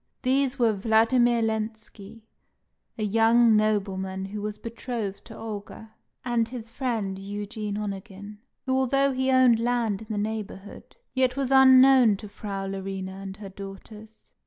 These were Vladimir Lenski, a young nobleman who was betrothed to Olga, and his friend, Eugene Onegin, who, although he owned land in the neighbourhood, yet was unknown to Frau Larina and her daughters.